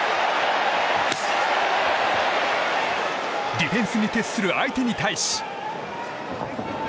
ディフェンスに徹する相手に対し。